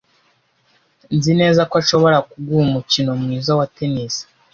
Nzi neza ko ashobora kuguha umukino mwiza wa tennis.